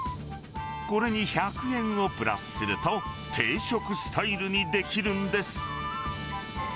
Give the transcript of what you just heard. これに１００円をプラスすると、定食スタイルにできるんです。